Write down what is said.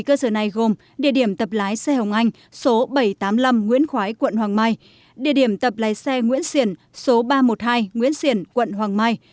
bảy cơ sở này gồm địa điểm tập lái xe hồng anh số bảy trăm tám mươi năm nguyễn khói quận hoàng mai địa điểm tập lái xe nguyễn xiển số ba trăm một mươi hai nguyễn xiển quận hoàng mai